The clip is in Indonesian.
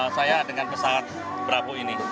saya dengan pesawat bravo ini